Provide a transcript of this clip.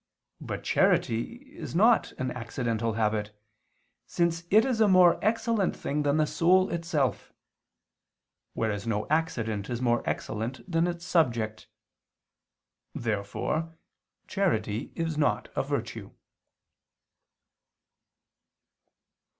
But charity is not an accidental habit, since it is a more excellent thing than the soul itself: whereas no accident is more excellent than its subject. Therefore charity is not a virtue.